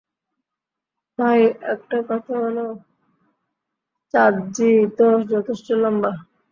ভাই একটা কথা বলো, চাঁদ জি তো যথেষ্ট লম্বা।